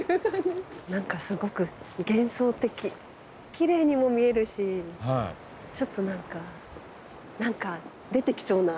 何かすごく幻想的きれいにも見えるしちょっと何か出てきそうな。